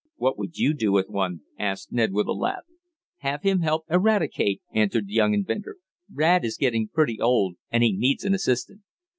"What would you do with one?" asked Ned with a laugh. "Have him help Eradicate," answered the young inventor. "Rad is getting pretty old, and he needs an assistant."